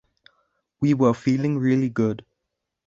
We were feeling really good.